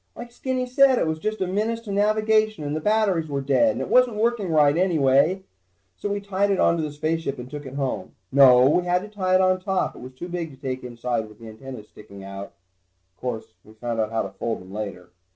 Like Skinny said, it was just a menace to navigation, and the batteries were dead, and it wasn't working right anyway. So we tied it onto the spaceship and took it home. No, we had to tie it on top, it was too big to take inside with the antennas sticking out. Course, we found out how to fold them later.